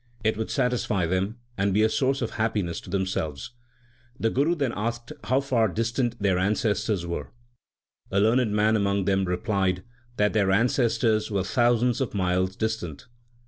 It would satisfy them, and be a source of happiness to themselves. The Guru then asked how far distant their ances tors were. A learned man among them replied that their ancestors were thousands of miles distant.